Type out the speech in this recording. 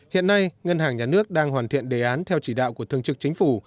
hiện nay ngân hàng nhà nước đang hoàn thiện đề án theo chỉ đạo của thương trực chính phủ